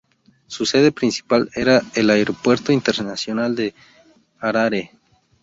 Su sede principal era el Aeropuerto Internacional de Harare.